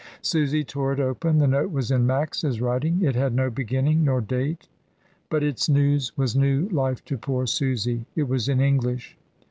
Susy tore it open. The note was in Max's writing; it had no beginning nor date, but its news was new life to poor Susy. It was in English.